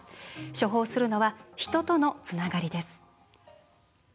処方するのは人とのつながりです。